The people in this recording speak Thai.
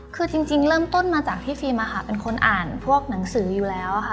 คือจริงเริ่มต้นมาจากที่ฟิล์มเป็นคนอ่านพวกหนังสืออยู่แล้วค่ะ